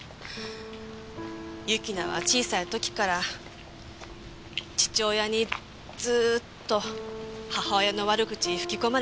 由樹奈は小さい時から父親にずーっと母親の悪口吹き込まれて育った。